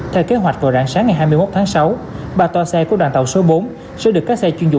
theo kế hoạch vào rạng sáng ngày hai mươi một tháng sáu ba tòa xe của đoàn tàu số bốn